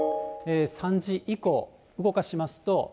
３時以降、動かしますと。